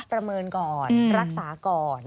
ประเมินก่อนรักษาก่อน